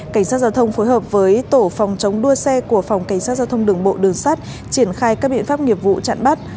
cảnh sát giao thông phối hợp với tổ phòng chống đua xe của phòng cảnh sát giao thông đường bộ đường sát triển khai các biện pháp nghiệp vụ chặn bắt